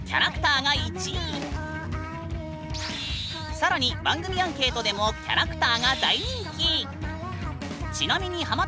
更に番組アンケートでもキャラクターが大人気！